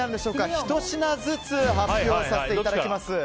１品ずつ発表させていただきます。